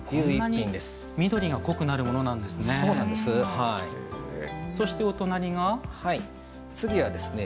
こんなに緑が濃くなるものなんですね。